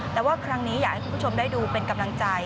แต่ว่าครั้งนี้อยากให้คุณผู้ชมได้ดูเป็นกำลังใจ